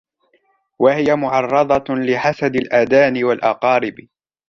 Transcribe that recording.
وَهِيَ مُعَرَّضَةٌ لِحَسَدِ الْأَدَانِي وَالْأَقَارِبِ